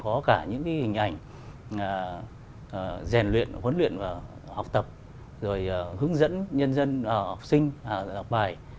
có cả những hình ảnh rèn luyện huấn luyện học tập hướng dẫn nhân dân học sinh học bài